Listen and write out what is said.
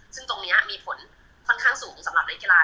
ซึ่งตรงนี้มีผลค่อนข้างสูงสำหรับนักกีฬา